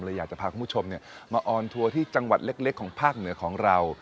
อยากจะพาคุณผู้ชมมาออนทัวร์ที่จังหวัดเล็กของภาคเหนือของเรา